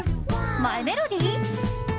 マイメロディ？